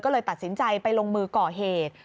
ก็เลยตัดสินใจไปลงมือก่อเหตุ